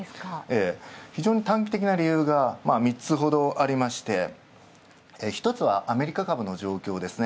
非常に短期的な理由が３つほどありまして、１つはアメリカ株の状況ですね。